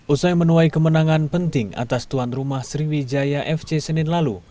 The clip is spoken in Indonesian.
usai menuai kemenangan penting atas tuan rumah sriwijaya fc senin lalu